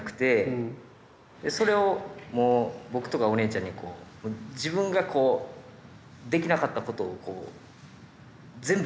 それをもう僕とかお姉ちゃんにこう自分ができなかったことを全部こう。